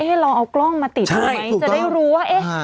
เอ๊ะเราเอากล้องมาติดไหมใช่ถูกต้องจะได้รู้ว่าเอ๊ะฮ่า